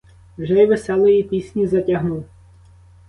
Вже й веселої пісні затягнув.